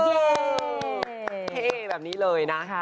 เท่แบบนี้เลยนะ